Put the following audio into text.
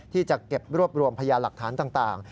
ที่จะเก็บรวบรวมพยานหลักฐานต่าง